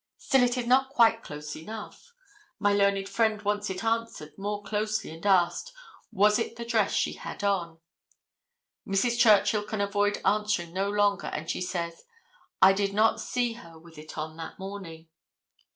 Still it is not quite close enough. My learned friend wants it answered more closely, and asks, "Was it the dress she had on?" Mrs. Churchill can avoid answering no longer, and she says, "I did not see her with it on that morning."